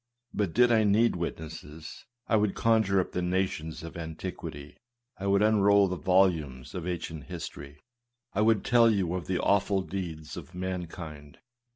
But, did I need wit nesses, I would conjure up the nations of antiquity ; I would unroll the volume of ancient history ; I would tell you of the awful deeds of mankind.